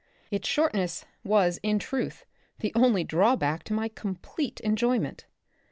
Its short ness was, in truth, the only drawback to my complete enjoyment.